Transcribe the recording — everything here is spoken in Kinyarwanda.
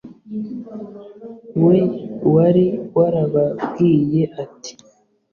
We wari warababwiye ati